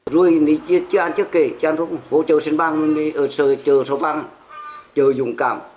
ruồi này chưa ăn trước kể chưa ăn thuốc vô châu xen bàng chờ sâu phan chờ dũng cảm